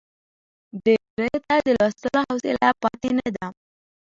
ډېریو ته د لوستلو حوصله پاتې نه ده.